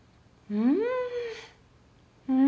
うん！